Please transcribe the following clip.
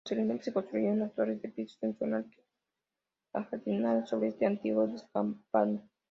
Posteriormente se construyeron unas torres de pisos en zona ajardinada sobre ese antiguo descampado.